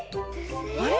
あれ？